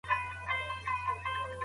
روغتيايي اسانتياوي د خلګو لپاره اړينې دي.